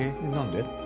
何で？